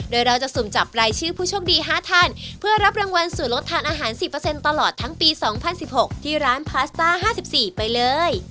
โดยเราจะสุ่มจับรายชื่อผู้โชคดี๕ท่านเพื่อรับรางวัลส่วนลดทานอาหาร๑๐ตลอดทั้งปี๒๐๑๖ที่ร้านพาสต้า๕๔ไปเลย